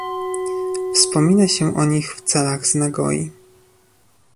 Wspomina się o nich w celach z Nagoi